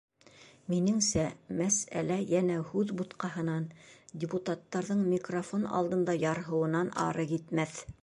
Минеңсә, мәсьәлә йәнә һүҙ бутҡаһынан, депутаттарҙың микрофон алдында ярһыуынан ары китмәҫ.